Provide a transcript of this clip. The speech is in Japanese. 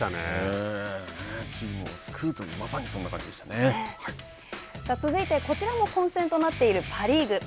チームを救うというさあ、続いてこちらも混戦となっているパ・リーグ。